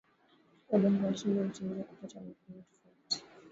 udogo wa shamba huchangia kupata mavuno ya tofauti